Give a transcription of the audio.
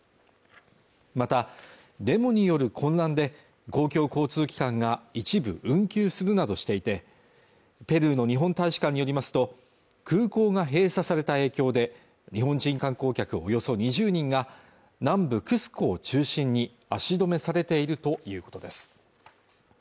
またデモによる混乱で公共交通機関が一部運休するなどしていてペルーの日本大使館によりますと空港が閉鎖された影響で日本人観光客およそ２０人が南部クスコを中心に足止めされているということです